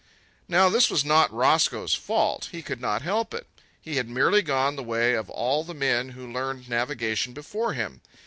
Now this was not Roscoe's fault; he could not help it. He had merely gone the way of all the men who learned navigation before him.